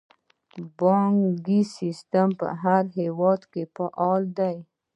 بانکي سیستم په هیواد کې فعال دی